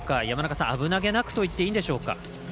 山中さん、危なげなくと言っていいでしょうか？